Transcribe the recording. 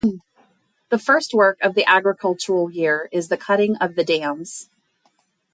The first work of the agricultural year is the cutting of the dams.